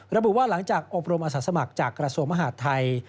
ระบุว่าหลังจากอบรมอาสาสมัครจากกระทรวงมหาดไทย